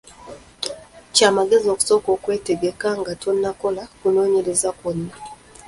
Kya magezi okusooka okwetegeka nga tonnakola kunoonyereza kwonna.